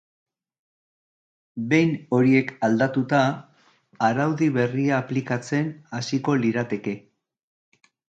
Behin horiek aldatuta, araudi berria aplikatzen hasiko lirateke.